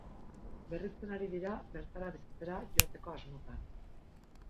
Berritzen ari dira, bertara bizitzera joateko asmotan.